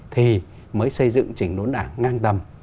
thì mới xây dựng trình đốn đảng ngang tầm